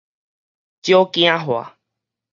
少囝化